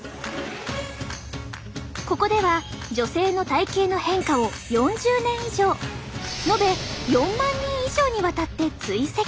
ここでは女性の体型の変化を４０年以上延べ４万人以上にわたって追跡。